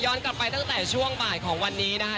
ย้อนกลับไปตั้งแต่ช่วงบาหย์วันนี้นะคะ